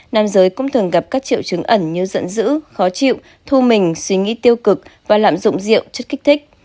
nam giới cũng thường gặp các triệu chứng ẩn như dẫn giữ khó chịu thu mình suy nghĩ tiêu cực và lạm dụng rượu chất kích thích